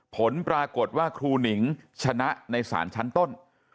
ผลปรากฏว่าครูหนิงชนะในศาลชั้นต้น